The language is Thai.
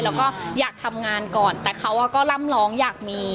แล้วก็อยากทำงานก่อนแต่เขาก็ร่ำร้องอยากมี